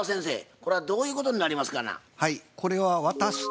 これはどういうことになりますかな？